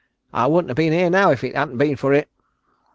I wouldn't have been here now if it hadn't been for it."